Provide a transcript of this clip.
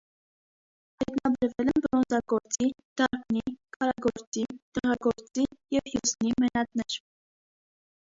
Հայտնաբերվել են բրոնզագործի, դարբնի, քարագործի, դեղագործի և հյուսնի մենատներ։